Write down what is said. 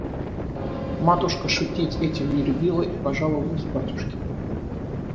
Матушка шутить этим не любила и пожаловалась батюшке.